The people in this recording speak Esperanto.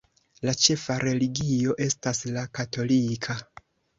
La ĉefa religio estas la katolika.